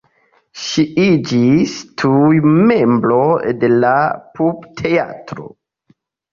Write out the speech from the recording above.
Ŝi iĝis tuj membro de la pupteatro.